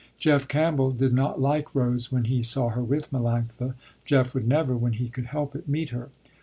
Jeff Campbell did not like Rose when he saw her with Melanctha. Jeff would never, when he could help it, meet her.